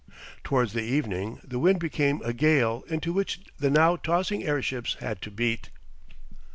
Towards the evening the wind became a gale into which the now tossing airships had to beat.